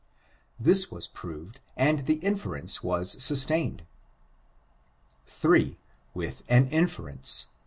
This was proved, and the inference was sustained. III. With an inference.